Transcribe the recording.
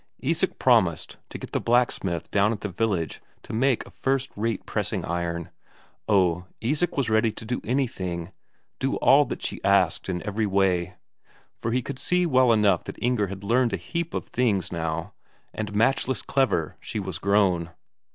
Isak promised to get the blacksmith down at the village to make a first rate pressing iron. Oh, Isak was ready to do anything, do all that she asked in every way; for he could see well enough that Inger had learned a heap of things now, and matchless clever she was grown.